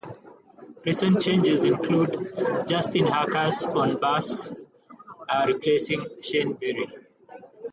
Recent changes include Justin Harcus on bass replacing Shane Berry.